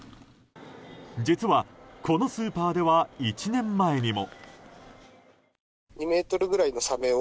実は、このスーパーでは１年前にも。